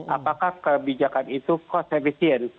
apakah kebijakan itu cost efisien